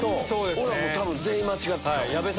俺ら多分全員間違ってたわ。